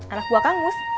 anak buah kangmus